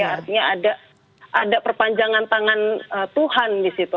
artinya ada perpanjangan tangan tuhan di situ